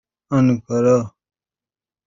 آنکارا